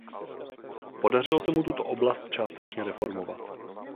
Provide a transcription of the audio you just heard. Podařilo se mu tuto oblast částečně reformovat.